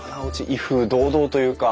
威風堂々というか。